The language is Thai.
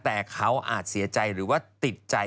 แต่เขาอาจเสียใจหรือว่าติดใจ